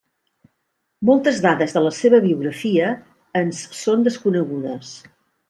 Moltes dades de la seva biografia ens són desconegudes.